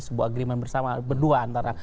sebuah agrimen bersama berdua antara